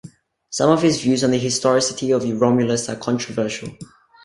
Some of his views on the historicity of Romulus are controversial.